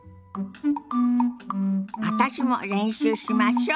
私も練習しましょ。